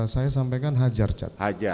saya sampaikan hajar chad